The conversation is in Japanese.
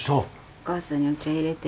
お母さんにお茶入れて。